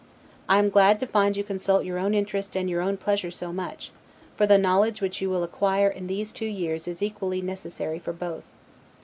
I am glad to find you consult your own interest and your own pleasure so much; for the knowledge which you will acquire in these two years is equally necessary for both.